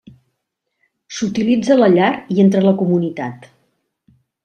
S'utilitza a la llar i entre la comunitat.